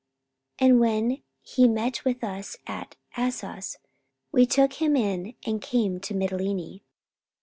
44:020:014 And when he met with us at Assos, we took him in, and came to Mitylene.